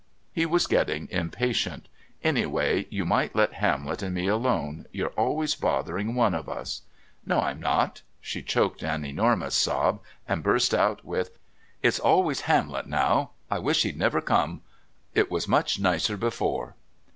He was getting impatient. "Anyway, you might let Hamlet and me alone. You're always bothering one of us." "No, I'm not." She choked an enormous sob and burst out with: "It's always Hamlet now. I wish he'd never come. It was much nicer before."